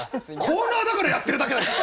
コーナーだからやってるだけだし！